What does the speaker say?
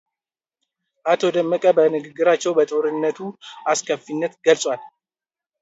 አቶ ደመቀ በንግግራቸው የጦርነቱን አስከፊነት ገልጸዋል።